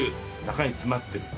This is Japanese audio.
中に詰まってる。